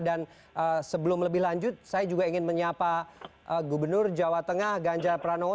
dan sebelum lebih lanjut saya juga ingin menyapa gubernur jawa tengah ganjar pranowo